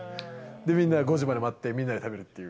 で、みんな５時まで待って、みんなで食べるっていう。